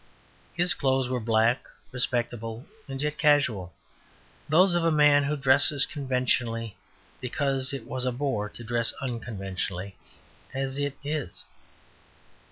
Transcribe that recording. His clothes were black; respectable and yet casual; those of a man who dressed conventionally because it was a bore to dress unconventionally as it is.